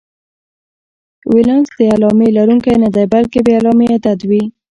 ولانس د علامې لرونکی نه دی، بلکې بې علامې عدد وي.